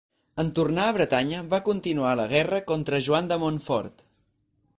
En tornar a Bretanya va continuar la guerra contra Joan de Montfort.